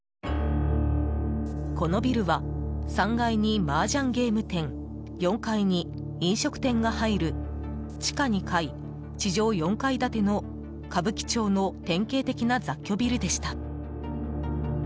このビルは、３階に麻雀ゲーム店４階に飲食店が入る地下２階、地上４階建ての歌舞伎町の典型的な雑居ビルでした。